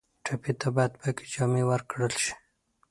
ټپي ته باید پاکې جامې ورکړل شي.